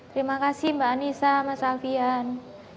terima kasih mbak anissa mas alfian